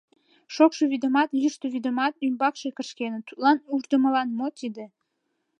Шокшо вӱдымат, йӱштӧ вӱдымат ӱмбакше кышкеныт — тудлан, ушдымылан, мо тиде.